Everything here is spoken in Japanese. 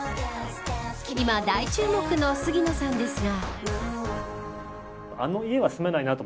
今、大注目の杉野さんですが。